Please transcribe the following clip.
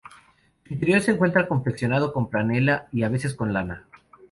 Su interior se encuentra confeccionado con franela y a veces con lana.